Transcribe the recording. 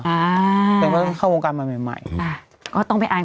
อ่าเพราะว่าเข้าวงการมาใหม่อ่าก็ต้องไปอ่าน